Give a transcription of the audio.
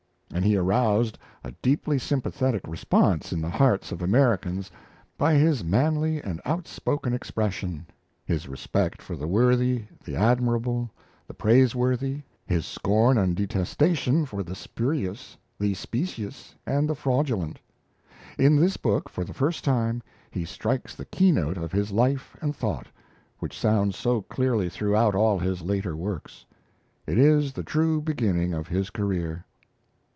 And he aroused a deeply sympathetic response in the hearts of Americans by his manly and outspoken expression his respect for the worthy, the admirable, the praiseworthy, his scorn and detestation for the spurious, the specious and the fraudulent. In this book, for the first time, he strikes the key note of his life and thought, which sounds so clearly throughout all his later works. It is the true beginning of his career.